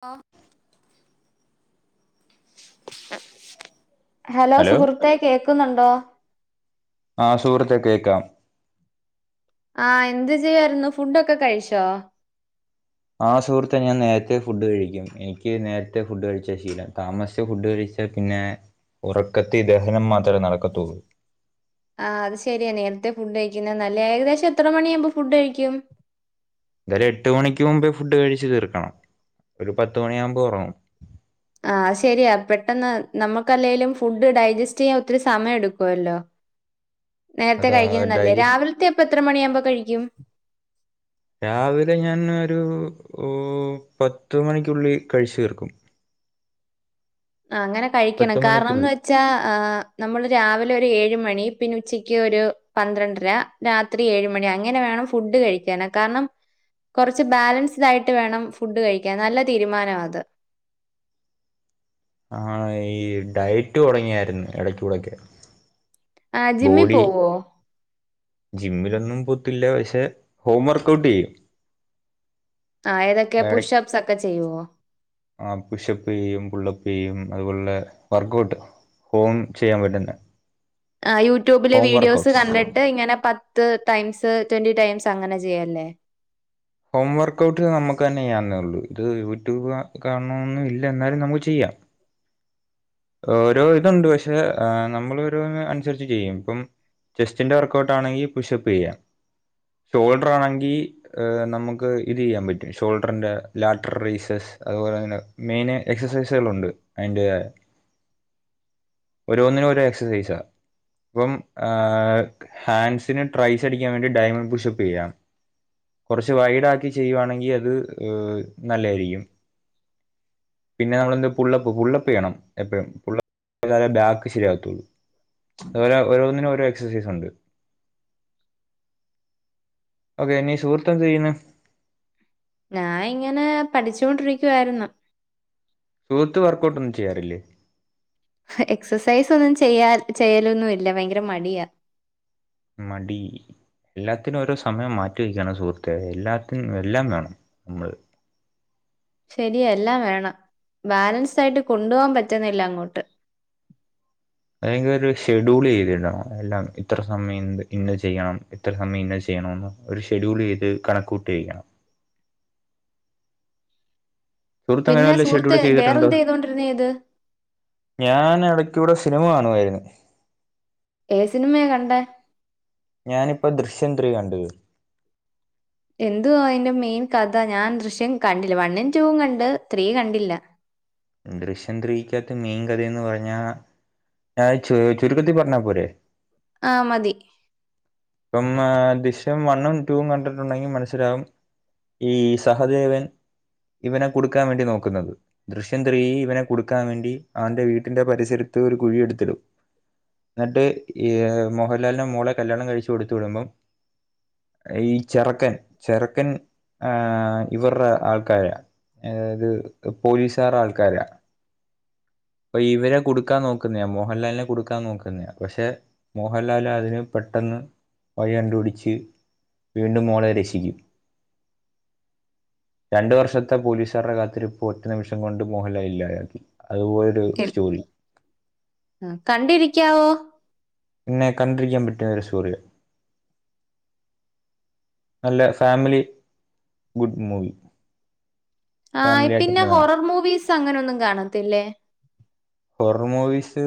അ hello സുഹൃത്തെ കേക്ക്ന്നുണ്ടോ ആ സുഹൃത്തെ കേക്കാം ആ എന്ത് ചെയ്യായിര്ന്നു ഫുഡൊക്കെ കഴിച്ചോ ആ സുഹൃത്തെ ഞാൻ നേരത്തെ ഫുഡ് കഴിക്കും എനിക്ക് നേരത്തെ ഫുഡ് കഴിച്ച ശീലം താമസിച്ച ഫുഡ് കഴിച്ചാ പിന്നെ ഉറക്കത്തി ദഹനം മാത്രമേ നടക്കത്തുള്ളൂ ആ അത് ശരിയാ നേരത്തെ ഫുഡ് കഴിക്കുന്ന നല്ലെയാ ഏകദേശം എത്ര മണിയാകുമ്പോ ഫുഡ് കഴിക്കും ഒര എട്ട് മണിക്ക് മുമ്പേ ഫുഡ് കഴിച്ചു തീർക്കണം ഒരു പത്ത് മണിയാകുമ്പോ ഉറങ്ങും ആ ശരിയാ പെട്ടെന്ന് നമ്മുക്കല്ലേലും ഫുഡ് ഡൈജസ്റ്റ് ചെയ്യാൻ ഒത്തിരി സമയം എടുക്കുവല്ലോ നേരത്തെ അതാ കഴിക്കുന്നത് നല്ലേ ഡൈജസ്റ്റ് രാവിലത്തെ അപ്പ എത്ര മണിയാകുമ്പോ കഴിക്കും രാവിലെ ഞാൻ ഒരു ഓ പത്ത് മണിക്കുള്ളി കഴിച്ച് തീർക്കും ആ അങ്ങനെ കഴിക്കണം പത്ത് കാരണംന്ന് മണിക്കുള്ളിൽ വെച്ചാ നമ്മള് രാവിലെ ഒരു ഏഴ് മണി പിന്നെ ഉച്ചയ്ക്ക് ഒരു പന്ത്രണ്ടര രാത്രി ഏഴ് മണി അങ്ങനെ വേണം ഫുഡ് കഴിക്കൻ കാരണം കുറച്ച് ബാലൻസ്ഡ് ആയിട്ട് വേണം ഫുഡ് കഴിക്കാൻ നല്ല തീരുമാന അത് ആ ഈ ഡയറ്റ് തുടങ്ങിയായ്ര്ന്നെ എടക്കൂടെക്കെ ആ ജിമ്മിൽ പോവോ ജിമ്മിലൊന്നും പോൊത്തില്ല പക്ഷെ ഹോം വർക്ക ഔട്ട് ചെയ്യും ആ ഏതൊക്കെ പുഷപ്സ് ഒക്ക ചെയ്യോ ആ പുഷപ്പ് ചെയ്യും പുള്ളപ്പ് ചെയ്യയും അതുപോലെ വർക്കഔട്ട് ഹോം ചെയ്യാൻ പറ്റുന്ന ആ യൂട്യൂബില് ഹോം വീഡിയോസ് വർക്കഔട്ട്സ് കണ്ടിട്ട് ഇങ്ങനെ പ പത്ത് ടൈംസ് ട്വന്റി ടൈംസ് അങ്ങനെ ചെയ്യല്ലേ ഹോം വർക്ക ഔട്ട് നമുക്ക് തന്നെയെന്നേള്ളൂ ഇത് യൂട്യൂബ് കാണന്നും ഇല്ല എന്നാലും നമുക്ക് ചെയ്യാം ഓരോ ഇതുണ്ട് പക്ഷെ നമ്മൾ ഓരോ അനുസരിച്ച് ചെയ്യും ഇപ്പം ചെസ്റ്റിന്റെ വർക്കഔട്ട് ആണെങ്കി പുഷപ്പ് ചെയ്യാം ഷോൾഡർ ആണെങ്കിൽ നമുക്ക് ഇത് ചെയ്യാൻ പറ്റും ഷോൾഡറിന്റെ ലാറ്റർ റീസസ് അതുപോലെ തന്നെ മെയിൻ എക്സസൈസുകളൾുണ്ട് അതിന്റെ ഓരോന്നിനും ഓരോ എക്സസൈസ ഇപ്പം ഏ ഹാൻഡസിന് ട്രൈസ് അടിക്കാൻ വേണ്ടി ഡയമന് ബുഷപ്പ് ചെയ്യാം കുറച്ച് വൈഡ ആക്കി ചെയ്യുവാണെങ്കിൽ അത് ഏ നല്ലായിരിക്കും പിന്നെ നമ്മളെന്ത് പുുള്ളപ്പ് ഫുള്ളപ്പ് ചെയ്യണം എപ്പോഴും ബാക്ക് ശരിയാത്തുള്ളൂ അതുപോലെ ഓരോന്നിനും ഓരോ എക്സസൈസ ഉണ്ട് ക്കെ നീ സുഹൃത്ത ചെയ്യുന്നു ഞാ ഇങ്ങനെ പഠിച്ചുൊണ്ടിരിക്കുവായിരുന്നു സുഹൃത്ത് വർക്കഔട്ട് ഒന്നും ചെയ്യാറില്ലേ എക്സസൈസ് ഒന്നും ചെയ്യാൽ ചെയ്യലൊന്നുമ ഇല്ല ഭയങ്കര മടിയാ മടി എല്ലാത്തിനും ഓരോ സമയം മാറ്റി വെക്കാണ് സുഹൃത്ത എല്ലാത്തിും എല്ലാം വേണം നമ്മള് ശരിയ എല്ലാം വേണം ബാലൻസ് ആയിട്ട് കൊണ്ടപോവാൻ പറ്റുന്നില്ല അങ്ങോട്ട് അല്ലെങ്കിൽ ഷെഡ്യൂൾ ചെയ്തിടണം എല്ലാം ഇത്ര സമയം ഇന്ന ചെയ്യണം ഇത്ര സമയം ഇന്ന ചെയ്യണംന്ന് ഒരു ഷെഡ്യൂൾ ചെയ്ത് കണക്കൂട്ട് ചെയ്യണം സുഹൃത്ത് അങ്ങനെ പിന്നെ വല്ല ഷെഡ്യൂൾ സുഹൃത്ത് ചെയ്തിട്ടുണ്ട് വേറെന്താ ചെയ്തോണ്ടിരുന്ന ഇത് ഞൻ എവിടെ ഇവിടെ സിനിമ കാണുമായിരുന്നു ഏ സിനിമയ കണ്ട ചെന്ദയാണ്ട് എന്വാ അതിന്റെ മെയിൻ കഥ ഞാൻ ദൃശ്യം കണ്ടില്ല വണ്ണും ടൂും കണ്ട് സ്ത്രീ കണ്ടില്ല ദൃഷ്യം ത്രയിക്കാത്ത മെയിൻ കഥയ എന്ന് പറഞ്ഞാ ഞാൻ ചു ചുരുക്കത്തി പറഞ്ഞാൽ പോരെ ആഹ മതി ഇപ്പം ദൃശ്യം വണ്ണും ടൂും കണ്ടിട്ടുണ്ടെങ്കിൽ മനസ്സിലാവും ഈ സഹദേവൻ ഇവനെ കൊടുക്കാൻ വേണ്ടി നോക്കുന്നത് ദൃശ്യം ത്രീ ഇവനെ കൊടുക്കാൻ വേണ്ടി അവന്റെ വീട്ടിന്റെ പരിസരത്ത് ഒരു കുഴിയ എടുത്തിടും എന്നിട്ട് ഈ മോഹൻലാലിന്റെ മോളെ കല്യാണം കഴിച്ചു കൊടുത്ത വിടുമ്പം ഈ ചിറക്കൻ ചിറക്കൻ ആ ഇവരുടെ ആൾക്കാരാ അഏതായത് പോലീസാരുടെ ആൾക്കാരാ അ ഇവരെ കൊടുക്കാൻ നോക്കുന്നാ മോഹൻലാലിനെ കൊടുക്കാൻ നോക്കുന്നത പക്ഷെ മോഹൻലാൽ അതിന് പെട്ടെന്ന് വഴ കണ്ടുപടിച്ച് വീണ്ടും മോളെ രക്ഷിച്ച ും [inaudible] രണ്ടു വർഷത്തെ പോലീസുകാരുടെ കാത്തിരിപ്പോ ഒറ്റ നിമിഷം കൊണ്ട് മോഹൻല ഇല്ലായാക്കി അതുപോലെ.. കണ്ടിരിക്കാവോ. എന്നെ കണ്ടിരിക്കാൻ പറ്റിയൊ ഒരു സൂര്യ നല്ല ഫാമിലി ഗുഡ് മൂവി. ആ് ഫാമിലി പിന്നെ ആയിട്ടിരുന്ന് കാണാം ഹോറർ മൂവീസ്.. അങ്ങനൊന്നും കാണത്തില്ലേ.? ഹൊറർ മൂവീസ്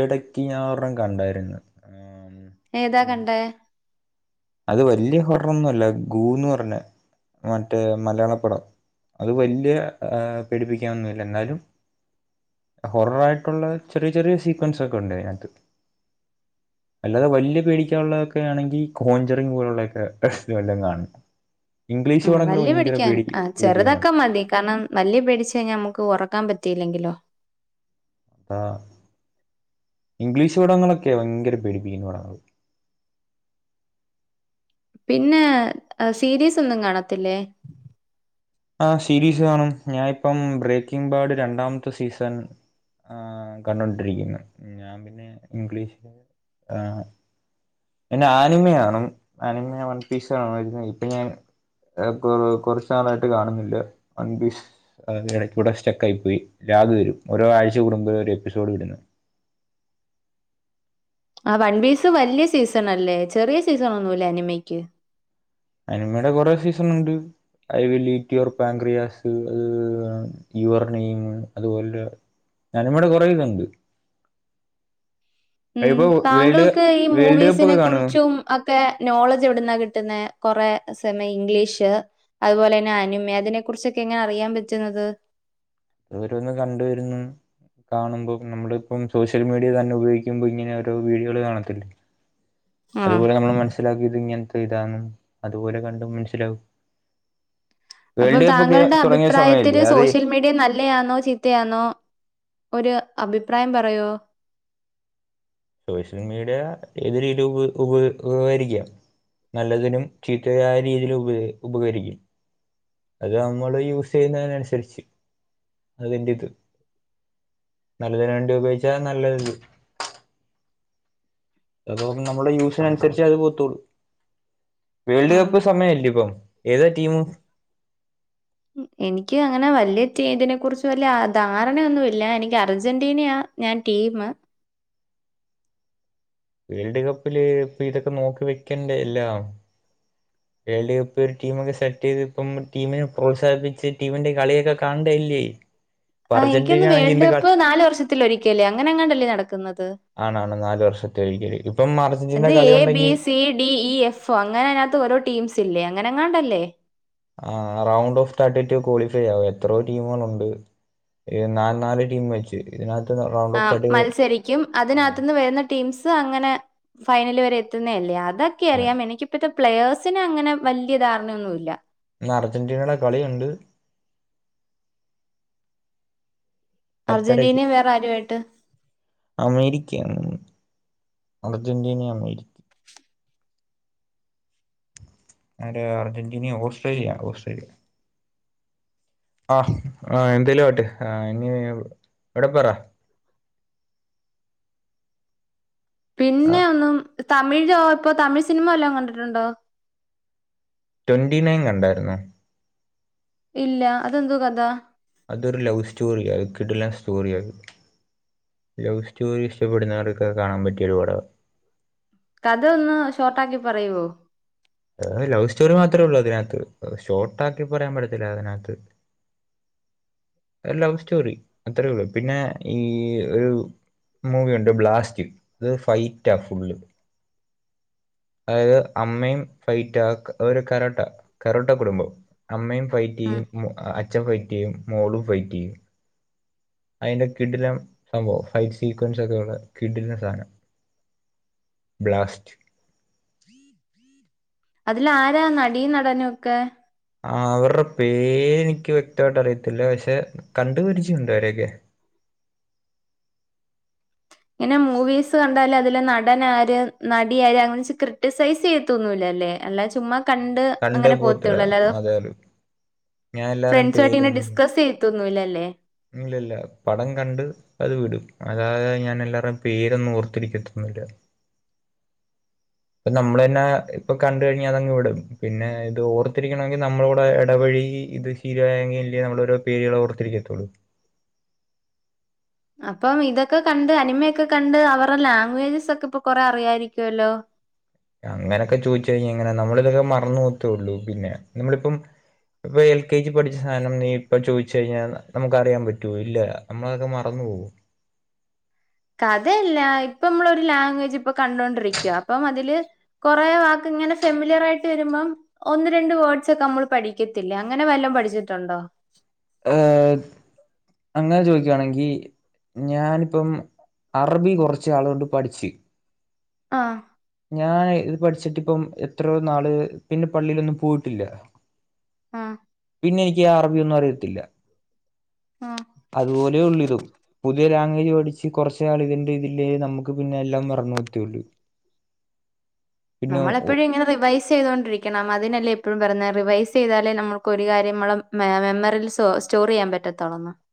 ഇടക്ക് ഞൻ ഒർണ്ണം കണ്ടായിരുന്നു. ഏതാ കണ്ടേ അത് വലിയ ഹൊറർൊന്നുമല്ല ഗൂന്ന് പറഞ്ഞ മറ്റേ മലയാള പടം. അത് വലിയ പേടിപ്പിക്കാനൊന്നുമല്ല എന്നാലും ഹൊററായിട്ടുള്ള ചെറിയ ചെറിയ സീക്വൻസ് ഒക്കെ ഉണ്ട് അതിനകത്ത്. അല്ലാതെ വലിയ പേടിക്കാനുള്ളതൊക്കെ ആണെങ്കി കോഞ്ചറിങ് പോലെയുള്ളൊക്കെ ഇത എല്ലാം കാണണം.. നല്ലല് പിടിക്കാൻ ആ പേടിപ്പിക്കുന്നതാണ് ചെറുതക്കാ മതി. കാരണം നല്ലല് പിടിച്ച കഴിഞ്ഞാൽ നമുക്ക് ഉറക്കാൻ പറ്റിയില്ലെങ്കിലോ.. അതാ ഇംഗ്ലീഷ് പടങ്ങളൊക്കെ ഭയങ്കര പെടീപ്പിക്കുന്ന പടങ്ങളാ.. പിന്നെ സീരീസ് ഒന്നും കാണത്തില്ലേ.. ആ സീരീസ് കാണും ഞാനിപ്പം. ബ്രേക്കിംഗ ബാർഡ് രണ്ടാമത്തെ സീസൺ ആ കണ്ടോണ്ടിരിക്കുന്നു. ഞാൻ പിന്നെ ഇംഗ്ലീഷില്... എന്റെ ആനിമി കാണും. ആനിമി വൺ പീസ് ആ ഇപ്പൊ ഞാൻ കുറച്ചു നാളായിട്ട് കാണുന്നില്ല. വൺപീസ് കൂടെ സ്റ്റെക്ക ആയി പോയി. രാഗ വരും ഓരോ ആഴ്ച കൂടുമ്പോൾ ഒരു എപ്പിസോഡ് വിടുന്ന.. ആ വൺപീസ് വലിയ സീസൺ അല്ലേ ചെറിയ സീസൺ ഒന്നുല്ലേ അനിമിക്ക് അനിമയുടെ കുറെേ സീസൺ ഉണ്ട് ഐ വില് റ്റ് യുവർ പാക്രിയാസ്, അ യുവർ നെയം, അതുപോലെ അനി മയുടെ കുറെേ ഇതുണ്ട്.. ഉം ഇപ്പൊ വേൾഡ് താങ്കൾക്ക് ഈ വേൾഡ് കപ്പ് മൂവീസിനെ ഒക്കെ കാണുമോ കുറിച്ചും, അത് ഒക്കെ നോളജ് എവിടുന്ന കിട്ടുന്നെ കൊറെ സമയ ഇംഗ്ലീഷ് അതുപോലെ തന്നെ അനിമി അതിനെ കുറിച്ചൊക്കെ എങ്ങനെ അറിയാൻ പറ്റുന്നത്.. ഓരോന്ന് കണ്ടുവരുന്നു കാണുമ്പോം നമ്മള ഇപ്പം സോഷ്യൽ മീഡിയ തന്നെ ഉപയോഗിക്കുമ്പോ ഇങ്ങനെ ഓരോ വീഡിയോകള് കാണത്തില്ല.. ആഹ് അതുപോലെ നമ്മള് മനസ്സിലാക്കിയ ഇത് ഇങ്ങനെ. ഇതും അതുപോലെ കണ്ടും മനസ്സിലാവും. അപ്പം വേൾഡ് കപ്പ് ഒക്കെ താങ്കളുടെ തുടങ്ങിയ സമയല്ലേ അഭിപ്രായത്തില് അതെ സോഷ്യൽ മീഡിയ നല്ലയാന്നോ ചീത്തയാന്നോ. ഒരു അഭിപ്രായം പറയോ? സോഷ്യൽ മീഡിയ ഏത് രീതിും ഉപ ഉപ ഉപകരിക്കാം നല്ലതിനും ചീത്ത ആ രീതിയിൽ ഉ ഉപകരിക്കും. അത് നമ്മള് യൂസ് ചെയ്യുന്നതിനനുസരിച്ച് അതിറത് നല്ലതിന വേണ്ടി ഉപയോഗിച്ചാ നല്ലത്. അപ്പൊ നമ്മള യൂഷിന അനുസരിച്ചേ അത് പോത്തുള്ളു. വേൾഡ് ആഹ്. കപ്പ് സമയല്ലിയോ ഇപ്പം. ഏതാ ടീമും. എനിക്ക് അങ്ങനെ വല്യ ഇതിനെ കുറിച്ച് വല്യ ധാരണയൊന്നുംല്ല എനിക്ക് അർജന്റീനയ ഞാൻ ടീം. വേൾഡ് കപ്പില് ഇപ്പൊ ഇതൊക്കെ നോക്കി വെക്കണ്ടേ എല്ലാം. വേൾഡ് കപ്പ് ഒരു ടീമൊക്കെ സെറ്റ് ചെയ്ത് ഇപ്പം ടീമിനെ പ്രോത്സാഹിപ്പിച്ച് ടീമിന്റെ കളിയൊക്കെ കാണണ്ടയല്ലേ. ആ എനിക്കൊന്ന് വേൾഡ് കപ്പ് നാല് വർഷത്തി ഒരിക്കല്ലേ അങ്ങനെ അങ്ങാണ്ടല്ലേ നടക്കുന്നത്. ആണാണ് നാല് വർഷത്തെ ഒരിക്കല് ഇപ്പം അർജന്റീന എന്ത് കളി എ ബി ഉണ്ടെങ്കിൽ സി ഡി ഇ എഫ് ഒ അങ്ങനെ അതിനകത്ത് ഓരോ ടീംസ് ഇല്ലേ. അങ്ങനെങ്ങാണ്ടല്ലേ. ആ റൗണ്ട് ഓഫ് തർട്ടി ക്വാളിഫൈ ആകും എത്രോ ടീമുകളുണ്ട് നാ നാല് ടീം വെച്ച് ഇതിനകത്ത്. റൗണ്ട് ആ ഓഫ് തേർട്ടി ഇന്ന് മത്സരിക്കും അതിനകത്തന്ന് വരുന്ന ടീംസ് അങ്ങനെ ഫൈനല് എത്തുന്നെല്ലേ അ അതൊക്കെ അറിയാം എനിക്കിപ്പത്തെ പ്ലേയേഴ്സിന് അങ്ങനെ വലിയ ധാരണയൊന്നു ഇല്ല ഇന്ന് അർജന്റീനയുടെ കളിയുണ്ട് പത്തര അർജന്റീനയും വേറെ ആരുമായിട്ട് യ്ക്ക്അമേരിക്കയാണെന് തോ അർജന്റീനയും അമേരിക്ക അർജന്റീന ഓസ്ട്രേലിയ ഓസ്ട്രേലിയ ആ ആ എന്തേലും ആട്ടെ ഇനി എവിടെ പറ പിന്നെ ഒന്നും തമിഴോ ഇപ്പൊ തമിഴ് സിനിമ വല്ലോം കണ്ടിട്ടുണ്ടോ ട്വന്റി നൈൻ കണ്ടായിരുന്നോ ഇല്ല അതെന്തു വ കഥാ അതൊരു ലവ് സ്റ്റോറി അത് കിടില സ്റ്റേറി ലവ് സ്റ്റോറി ഇഷ്ടപ്പെടുന്നവർക്ക് കാണാൻ പറ്റിയ ഒരു പട കഥ ഒന്ന് ഷോർട്ട്ആക്കി പറയുവോ ഏ ലവ് സ്റ്റോറി മാത്രേ ഉള്ളൂ അതിനകത്ത് ഷോർട്ട് ആക്കി പറയാൻ പറ്റത്തില്ല അതിനകത്ത് ലവ് സ്റ്റോറി അത്രേയ ഉള്ളൂ പിന്നെ ഈ ഒരു മൂവി യുണ്ട് ബ്ലാസ്റ്റ് അത് ഫൈറ്റാ ഫുള്ള് അതായത് അമ്മയും ഫൈറ്റ് ആ ഒരു കരോട്ട കരോട്ട കുടുംബം അമ്മയും ഫെറ്റ് ഉം ചെയ്യും അച- അച്ഛൻപ ഫയിറ്റ് ചെയും മോളും ഫയിറ്റ ചെയും അയിന്റെ- കിടിലം സംഭവം ഫൈറ്റ് സീക്വൻസ് ഒക്കെയള്ള കിടിലംന സധനം ബ്ലാസ്റ്റ് അതില ആരാ നടീ നടനും ഒക്കെ ആ അവരുടെ പേര് എനിക്ക് വ്യക്തമായിട്ട് അറിയത്തില്ല പക്ഷെ കണ്ടു പരിചയമുണ്ട് അവരെയൊക്കെ ഇങ്ങനെ മൂവീസ് കണ്ടാൽ അതില് നടനര് നടിയാര് അങ്ങനെ ക്രിറ്റിസൈസ് ചെയ്യത്തൊന്നു ഇല്ല അമേ ചുമ് കണ്ട് കണ്ടു അങ്ങനെ പോകത്തില്ല പോത്തള്ളു അല്ലാതെ അതേ ഉള്ളൂ ഞാൻ എല്ലാവരും ഫ്രണ്ട്സു മായിട്ട് ഇങ്ങനെ ഡിസ്കസ് ചെയത്തും ഒന്നു ഇല്ലല്ലേ ഇല്ലല്ല പടം കണ്ട് അത് വിടും അതാതെ ഞാൻ എല്ലാവരുും പേരൊന്നും ഓർത്തിരിക്കത്തു ഒന്നു ബ അപ്പ നമ്മൾന്നെ ഇപ്പൊ കണ്ടു കഴിഞ്ഞാ അതങ്ങ് വിടും പിന്നെ ഇത് ഓർത്തിരിക്കണമെങ്കിൽ നമ്മളവിടെ ഇടപഴകി ഇത് ശീരായെങ്കിൽ ഇല്ലേ നമ്മള ഓരോ പേരുകൾ ഓർത്തിരിക്കത്തുള്ളൂ അപ്പം ഇതൊക്കെ കണ്ട് അനിമയൊക്കെ കണ്ട് അവരുടെ ലാംഗവേജസ് ഒക്കെ ഇപ്പൊ കൊറെ അറിയാായിരിക്കുവല്ലോ അങ്ങനെയൊക്കെ ചോയിച്ച കഴിഞ്ഞാ എങ്ങനെ നമ്മള് ഇതൊക്കെ മറന്നുപോകത്തെയുള്ളു പിന്നെ നമ്മളിപ്പം എൽ കെ ജി പഠിച്ച സാധനം നീ ഇപ്പൊ ചോയിച്ച്ചു കഴിഞ്ഞാൽ നമുക്ക് അറിയാൻ പറ്റോ ഇല്ല നമ്മളതൊക്കെ മറന്നുപോോകോ കഥയില്ല ഇപ്പൊ നമ്മളൊ ഒരു ലാംഗ്വേജ് ഇപ്പൊ കണ്ടൊണ്ടിരിക്കുവ അപ്പം അതില് കൊറെ വാക്ക് ഇങ്ങനെ ഫെമിലിയർ ആയിട്ട് വരുമ്പം ഒന്ന് രണ്ട് വേർഡ്സ് ഒക്കെ നമ്മൾ പഠിക്കത്തില്ലേ അങ്ങനെ വല്ലോ പഠിച്ചിട്ടുണ്ടോ ഏഹ അങ്ങനെ ചോദ യാണെങ്കി ഞാനിപ്പം അറബി കുറച്ച് ആളുകൊണ്ട് പഠിച്ചു ആഹ ഞാൻ ഇത് പഠിച്ചിട്ട് ഇപ്പം എത്രയോ നാള് പിന്നെ പള്ളിയിലൊന്നും പോയിട്ടില്ല ആഹ പിന്നെ എനിക്ക് അറബിയൊന്നും അറിയത്തില്ല ആഹ് പഠിച്ചച്ച് കുറച്ച നിൾ ഇതിന്റെ ഇതില്ലേനമുക്ക് പിന്നെ എല്ലാം മറന്ന് പോകത്തെയുള് നമ്മളെപ്പോഴും ഇങ്ങനെ റിവൈസ് ചെയ്തൊണ്ടിരിക്കണം അതിനല്ലേ എപ്പോഴും പറഞ്ഞ റിവൈസ് ചെയ്താലേ നമുക്ക് ഒരു കാര്യം നമ്മ മെമ്മറിയിൽ സ്റ്റോർ ചെയ്യാൻ പറ്റത്തുള്ളു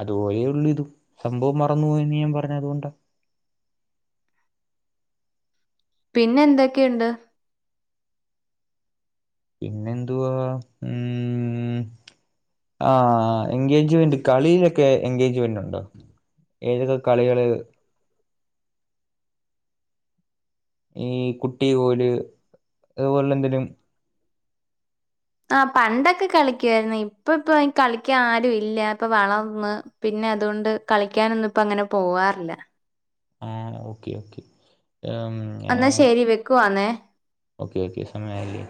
അതുപലേ ഉള്ളു ഇതുും സംഭവം മറന്നു പോോയി അന്ന് ഞാൻ പറഞ്ഞതുകൊണ്ടാ പിന്നെ എന്തൊക്കെയുണ്ട് പിന്നെ എന്വാ ഉ ആ എൻഗേജ്മെന്റ് കളിയിലൊക്കെ എഗേജ്മെന്റ് ഉണ്ടോ ഏതൊക്കെ കളികള് ഈ കുട്ടി പോല് അതുപോല എന്തേലും ആ പണ്ടൊക്കെ കളിക്കുവായിുന്ന ഇപ്പ ഇപ്പൊ കളിക്കാൻ ആരുും ഇല്ല ഇപ്പ വളർന്ന് പിന്നെ അതുകൊണ്ട് കളിക്കാനൊന്നും ഇപ്പ അങ്ങനെ പോവാറില്ല ആഹ ഓക്കെ ഓക്കെ എന്നാ ഞാൻ ശരി വെക്കവാന്നേ ഓക്കെ ഓക്കെ സയ അല്ലേ